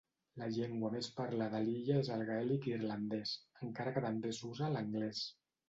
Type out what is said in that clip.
La llengua més parlada a l'illa és el gaèlic irlandès, encara que també s'usa l'anglès.